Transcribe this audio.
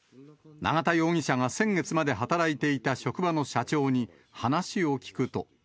永田容疑者が先月まで働いていた職場の社長に、話を聞くと。